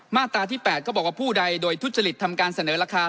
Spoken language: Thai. มาตราที่๘ก็บอกว่าผู้ใดโดยทุจริตทำการเสนอราคา